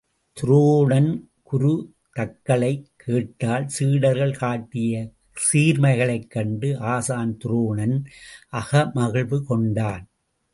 துரோணன் குரு தக்களை கேட்டல் சீடர்கள் காட்டிய சீர்மைகளைக் கண்டு ஆசான் துரோணன் அகமகிழ்வு கொண்டான்.